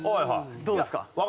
どうですか？